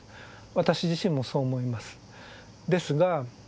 私自身もそう思いますですが